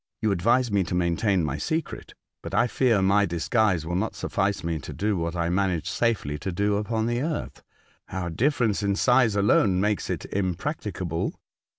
You advise me to maintain my secret, but I fear my dis guise will not suffice me to do what I managed safely to do upon the earth. Our difference in size alone makes it impracticable."